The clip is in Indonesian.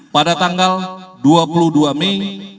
pada tanggal dua puluh dua mei dua ribu dua puluh